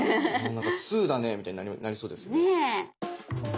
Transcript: なんか通だねみたいになりそうですね。